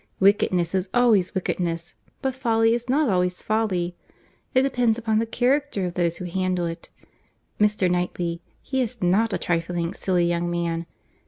Wickedness is always wickedness, but folly is not always folly.—It depends upon the character of those who handle it. Mr. Knightley, he is not a trifling, silly young man.